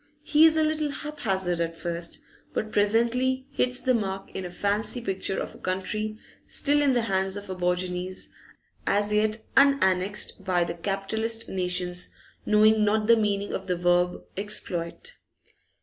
He is a little haphazard at first, but presently hits the mark in a fancy picture of a country still in the hands of aborigines, as yet unannexed by the capitalist nations, knowing not the meaning of the verb 'exploit.